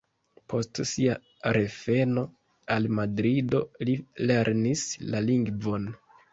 Post sia reveno al Madrido, li lernis la lingvon.